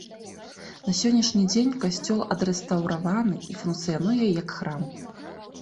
На сённяшні дзень касцёл адрэстаўраваны і функцыянуе як храм.